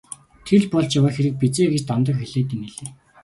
Тэр л болж яваа хэрэг биз ээ гэж Дондог хэлээд инээлээ.